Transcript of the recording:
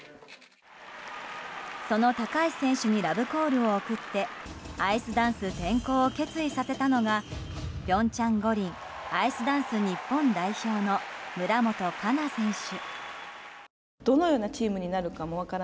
その高橋選手にラブコールを送ってアイスダンス転向を決意させたのが平昌五輪アイスダンス日本代表の村元哉中選手。